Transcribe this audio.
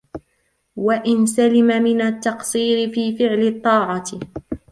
وَإِنْ سَلِمَ مِنْ التَّقْصِيرِ فِي فِعْلِ الطَّاعَةِ